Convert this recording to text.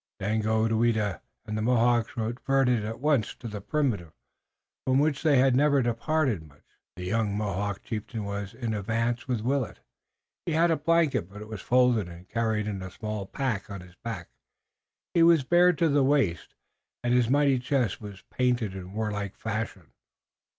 Daganoweda and the Mohawks reverted at once to the primitive, from which they had never departed much. The young Mohawk chieftain was in advance with Willet. He had a blanket but it was folded and carried in a small pack on his back. He was bare to the waist and his mighty chest was painted in warlike fashion.